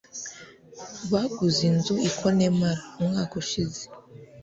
Baguze inzu i Connemara umwaka ushize.